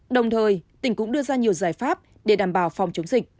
đồng thời tỉnh cũng đưa ra nhiều giải pháp để đảm bảo phòng chống dịch